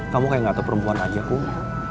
kamu kayak gak terperempuan aja kum